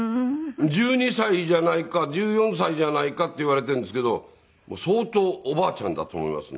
１２歳じゃないか１４歳じゃないかって言われているんですけど相当おばあちゃんだと思いますね。